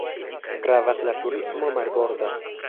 Gravas la turismo marborda.